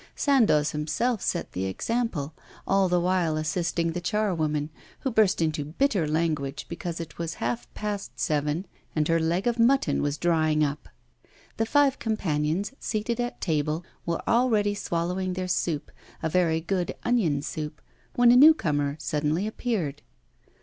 Sandoz himself set the example, all the while assisting the charwoman, who burst into bitter language because it was half past seven, and her leg of mutton was drying up. The five companions, seated at table, were already swallowing their soup, a very good onion soup, when a new comer suddenly appeared.